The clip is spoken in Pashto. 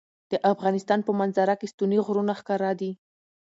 د افغانستان په منظره کې ستوني غرونه ښکاره ده.